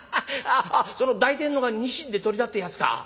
あっその抱いてんのがニシンでトリだってやつか？